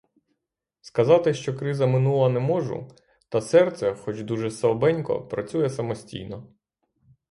Сказати, що криза минула, не можу, та серце, хоч дуже слабенько, працює самостійно.